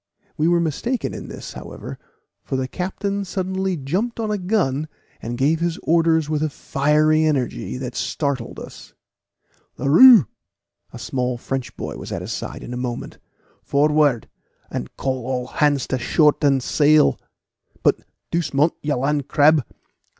We were mistaken in this, however, for the captain suddenly jumped on a gun, and gave his orders with a fiery energy that startled us. "Leroux!" A small French boy was at his side in a moment. "Forward, and call all hands to shorten sail; but, doucement, you land crab!